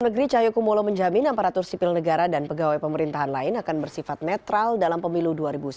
menteri cahyokumolo menjamin aparatur sipil negara dan pegawai pemerintahan lain akan bersifat netral dalam pemilu dua ribu sembilan belas